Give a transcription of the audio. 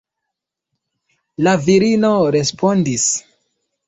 La virino respondis: